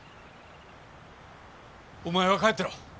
お前は帰ってろ。